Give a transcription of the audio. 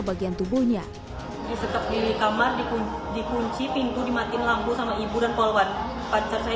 bagian tubuhnya disetep di kamar dikunci dikunci pintu dimatiin lampu sama ibu dan polwan pacar saya